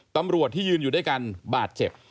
ตำรวจที่ยืนอยู่ด้วยกันบาดเจ็บ